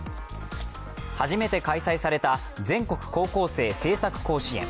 初めて開催された全国高校生政策甲子園。